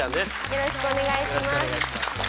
よろしくお願いします。